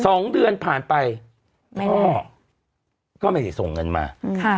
สองเดือนผ่านไปพ่อก็ไม่ได้ส่งเงินมาค่ะ